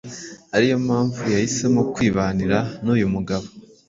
ariyo mpamvu yahisemo kwibanira n’uyu mugabo